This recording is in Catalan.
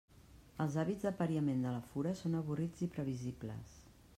Els hàbits d'apariament de la fura són avorrits i previsibles.